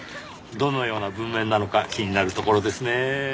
どのような文面なのか気になるところですねぇ。